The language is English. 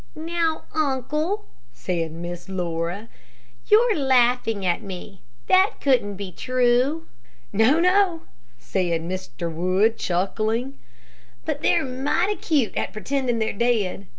"Now, uncle," said Miss Laura, "you're laughing at me. That couldn't be true." "No, no," said Mr. Wood, chuckling; "but they're mighty cute at pretending they're dead.